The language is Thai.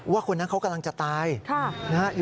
ว่าคนนั้นเขากำลังจะตาย